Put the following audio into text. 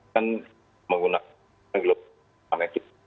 kan menggunakan global